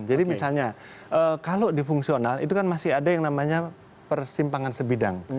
jadi misalnya kalau di fungsional itu kan masih ada yang namanya persimpangan sebidang